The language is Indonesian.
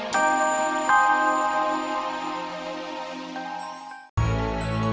ya seperti itu